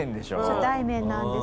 初対面なんです。